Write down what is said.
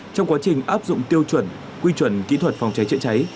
trong quá trình áp dụng tiêu chuẩn quy chuẩn kỹ thuật phòng cháy chữa cháy